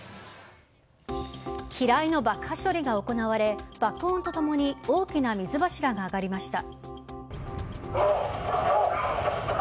機雷の爆破処理が行われ爆音と共に大きな水柱が上がりました。